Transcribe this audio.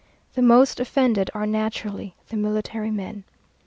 The most offended are naturally the military men....